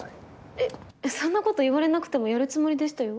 えっそんなこと言われなくてもやるつもりでしたよ。